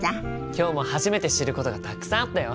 今日も初めて知ることがたくさんあったよ。